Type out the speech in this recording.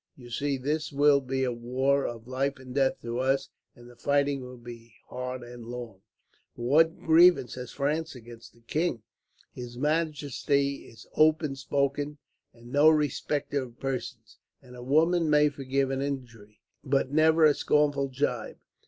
You see, this will be a war of life and death to us, and the fighting will be hard and long." "But what grievance has France against the king?" "His majesty is open spoken, and no respecter of persons; and a woman may forgive an injury, but never a scornful gibe.